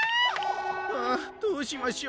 あどうしましょう。